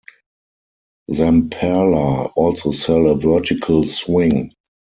Zamperla also sell a Vertical Swing.